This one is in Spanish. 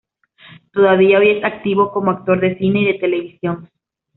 Todavía hoy es activo como actor de cine y de televisión.